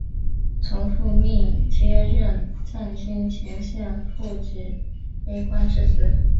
从父命接任藏军前线副指挥官之职。